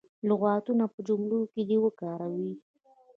لغتونه په جملو کې دې وکاروي.